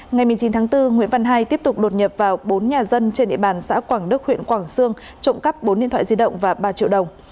ngày một mươi chín tháng bốn nguyễn văn hai tiếp tục đột nhập vào bốn nhà dân trên địa bàn xã quảng đức huyện quảng sương trộm cắp bốn điện thoại di động và ba triệu đồng